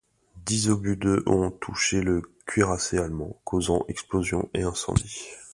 Dix obus de ont touché le cuirassé allemand, causant explosions et incendies.